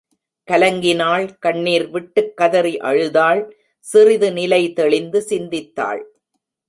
கலங்கினாள் கண்ணிர் விட்டுக் கதறி அழுதாள் சிறிது நிலை தெளிந்து சிந்தித்தாள்.